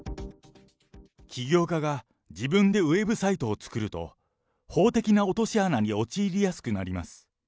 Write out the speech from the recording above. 起業家が自分でウェブサイトを作ると、法的な落とし穴に陥りやすくなります。